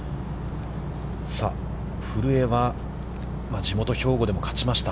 さあ、古江は、地元兵庫でも勝ちました。